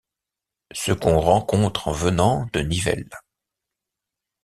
Ce qu’on rencontre en venant de Nivelles